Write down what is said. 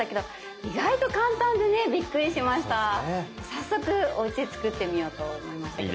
早速おうちで作ってみようと思いましたけど。